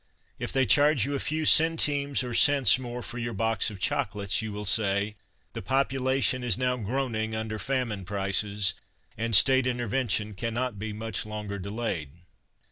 If they charge you a few centimes or cents more for your box of chocolates you will say " the population is now groaning under famine prices, and State inter vention cannot be much longer delayed."